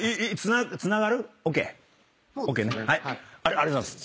ありがとうございます。